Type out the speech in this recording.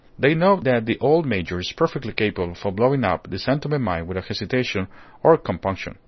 They know that the old major is perfectly capable of blowing up the San Tome mine without hesitation or compunction.